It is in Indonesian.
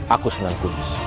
aku sunan kunus